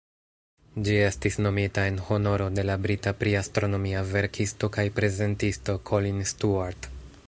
Ĝi estis nomita en honoro de la brita pri-astronomia verkisto kaj prezentisto "Colin Stuart".